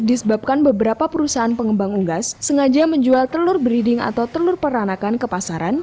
disebabkan beberapa perusahaan pengembang unggas sengaja menjual telur breeding atau telur peranakan ke pasaran